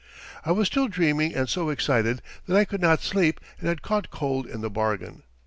] I was still dreaming and so excited that I could not sleep and had caught cold in the bargain.